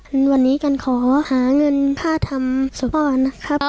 เช่นวันนี้ฉันขอหาเงินค่าทำสะพาตนะครับ